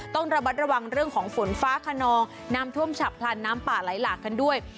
ต้องระมัดระวังเรื่องของฝนฟ้าขนองน้ำท่วมฉับพลันน้ำป่าไหลหลากกันด้วย